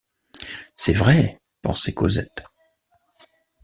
C’est vrai, pensait Cosette.